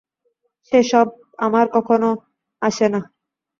সে সব আমার কখনও আসে না।